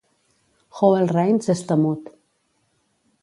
Howell Raines és temut.